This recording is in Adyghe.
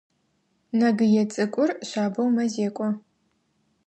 Нэгые цӏыкӏур шъабэу мэзекӏо.